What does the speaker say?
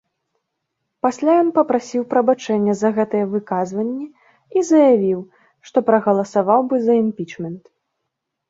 Пасля ён папрасіў прабачэння за гэтыя выказванні і заявіў, што прагаласаваў бы за імпічмент.